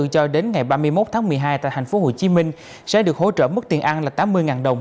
cho đến ngày ba mươi một tháng một mươi hai tại tp hcm sẽ được hỗ trợ mức tiền ăn là tám mươi đồng